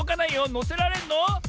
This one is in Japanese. のせられるの？